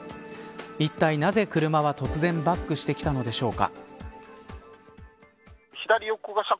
いったい、なぜ車は突然バックしてきたのでしょうか。